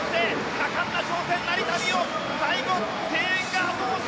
果敢な挑戦、成田実生最後、声援が後押し。